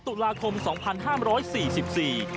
ตุลาคมสองพันห้ามร้อยสี่สิบสี่